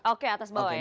oke atas bawah ya